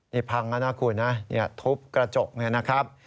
นี่พังแล้วนะคุณนะทุบกระจกเนี่ยนะครับ